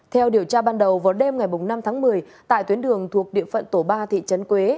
theo điều tra ban đầu vào đêm ngày năm tháng một mươi tại tuyến đường thuộc địa phận tổ ba thị trấn quế